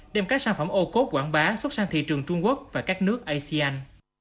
đem các sản phẩm ô cốt quảng bá xuất sang thị trường trung quốc và các nước asean